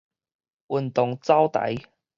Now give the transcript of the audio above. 運動走臺